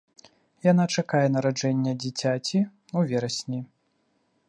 Яна чакае нараджэння дзіцяці ў верасні.